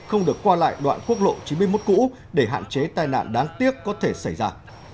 không được qua lại đoạn quốc lộ chín mươi một cũ để hạn chế tai nạn đáng tiếc có thể xảy ra